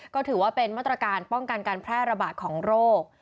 ก็ถือว่าเป็นมาตรการป้องกันการแพร่ระบาดของโรค